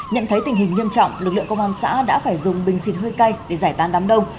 nhận thấy tình hình nghiêm trọng lực lượng công an xã đã phải dùng bình xịt hơi cay để giải tán đám đông